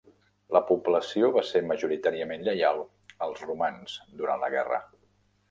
La població va ser majoritàriament lleial als romans durant la guerra.